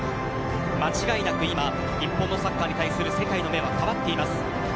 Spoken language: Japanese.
間違いなく今、日本のサッカーに対する世界の目は変わっています。